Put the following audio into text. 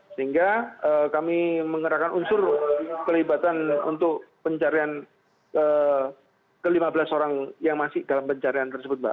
sehingga kami mengerahkan unsur pelibatan untuk pencarian ke lima belas orang yang masih dalam pencarian tersebut mbak